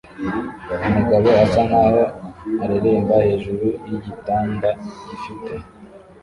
Umugabo asa nkaho areremba hejuru yigitanda gifite